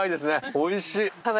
おいしい。